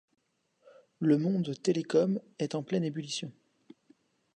Le monde télécoms est en pleine ébullition.